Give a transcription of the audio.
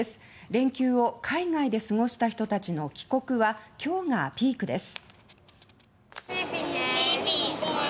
連休を海外で過ごした人たちの帰国は今日がピークです。